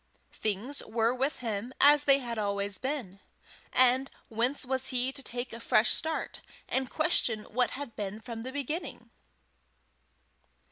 Things were with him as they had always been, and whence was he to take a fresh start, and question what had been from the beginning?